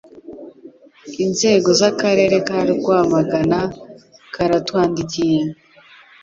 inzego z'Akarere ka rwamagana karatwandikiye